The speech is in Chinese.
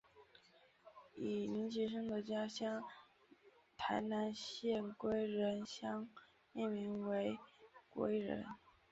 以林启生的家乡台南县归仁乡命名为归仁。